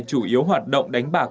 chủ yếu hoạt động đánh bạc